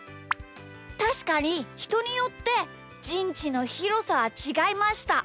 たしかにひとによってじんちのひろさはちがいました。